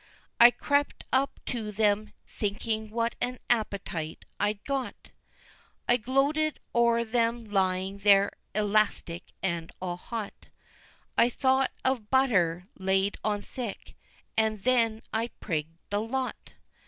I crept up to them, thinking what an appetite I'd got, I gloated o'er them lying there elastic and all hot; I thought of butter laid on thick, and then I prigged the lot!